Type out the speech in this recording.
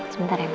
sebentar ya mama